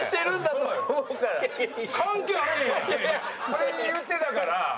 それ言ってたから。